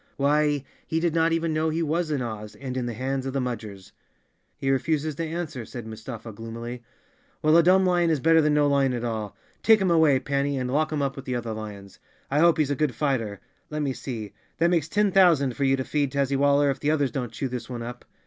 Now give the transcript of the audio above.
Why, he did not even know he was in Oz, and in the hands of the Mudgers. "He refuses to answer," said Mustafa gloomily. "Well, a dumb lion is better than no lion at all. Take him away, Panny, and lock him up with the other lions. I hope he's a good fighter. Let me see, that makes ten thousand for you to feed, Tazzywaller, if the others don't chew this one up."